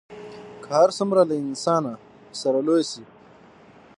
که هر څومره له انسانه سره لوی سي